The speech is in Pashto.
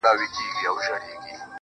ستا د غزلونو و شرنګاه ته مخامخ يمه